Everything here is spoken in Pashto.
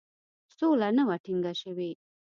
سوله نه وه ټینګه شوې.